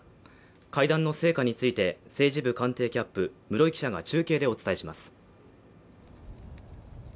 会談の成果について政治部官邸キャップ室井記者が中継でお伝えします